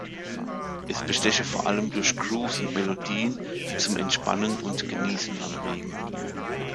Es besteche vor allem durch Grooves und Melodien, die zum Entspannen und Genießen anregen.